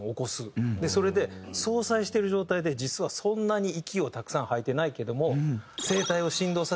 それで相殺してる状態で実はそんなに息をたくさん吐いてないけども声帯を振動させて。